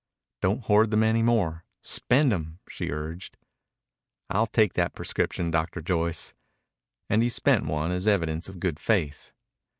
"Don't hoard them any more. Spend them," she urged. "I'll take that prescription, Doctor Joyce." And he spent one as evidence of good faith.